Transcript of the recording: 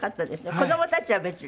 子供たちは別に。